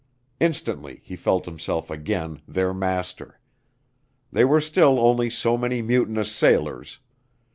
Instantly he felt himself again their master. They were still only so many mutinous sailors.